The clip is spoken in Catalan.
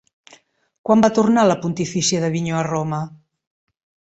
Quan va tornar la pontifícia d'Avinyó a Roma?